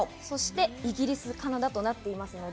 そしてイギリス、カナダとなっています。